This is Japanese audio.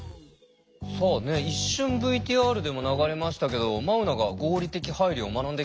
さあね一瞬ＶＴＲでも流れましたけど眞生が合理的配慮を学んできてくれたんだよね。